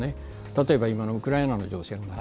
例えば今のウクライナの情勢。